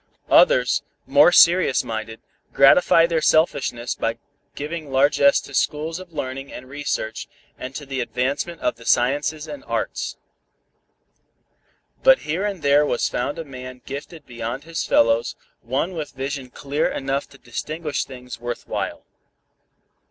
Others, more serious minded, gratify their selfishness by giving largess to schools of learning and research, and to the advancement of the sciences and arts. But here and there was found a man gifted beyond his fellows, one with vision clear enough to distinguish things worth while.